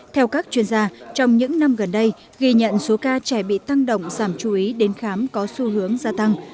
theo các chuyên gia trong những năm gần đây ghi nhận số ca trẻ bị tăng động giảm chú ý đến khám có xu hướng gia tăng